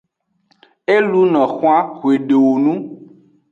E luno xwan xwedowonu.